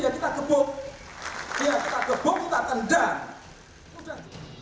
ya kita gebuk kita tendang